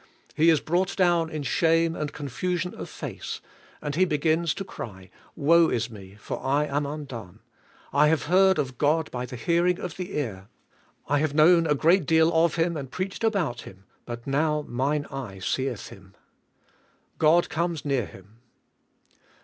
He is brought down in shame and confu sion of face, and he begins to cry: "Woe is me, for I am undone. I have heard of God by the hearing of the ear; I have known a great deal of Him and preached about Him, but now mine eye seeth Him." God comes near him.